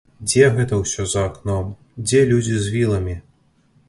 Дзе гэта ўсё за акном, дзе людзі з віламі?